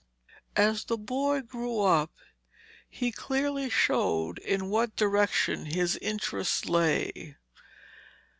As the boy grew up he clearly showed in what direction his interest lay.